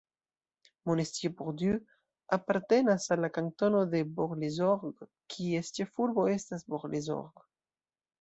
Monestier-Port-Dieu apartenas al la kantono de Bort-les-Orgues, kies ĉefurbo estas Bort-les-Orgues.